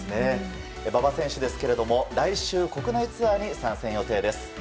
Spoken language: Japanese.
馬場選手ですけれども来週、国内ツアーに参戦予定です。